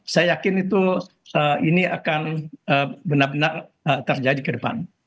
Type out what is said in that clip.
saya yakin itu ini akan benar benar terjadi ke depan